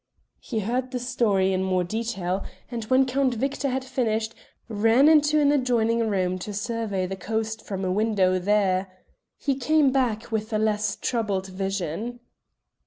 He heard the story in more detail, and when Count Victor had finished, ran into an adjoining room to survey the coast from a window there. He came back with a less troubled vision.